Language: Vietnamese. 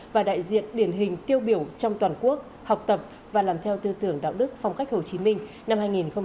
và đại diện điển hình tiêu biểu trong toàn quốc học tập và làm theo tư tưởng đạo đức phong cách hồ chí minh năm hai nghìn hai mươi